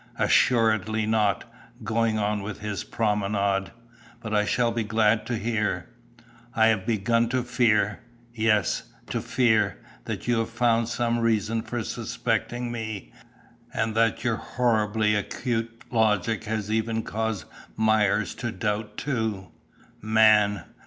"Assuredly not," going on with his promenade. "But I shall be glad to hear." "I have begun to fear yes, to fear that you have found some reason for suspecting me, and that your horribly acute logic has even caused Myers to doubt too." "Man!"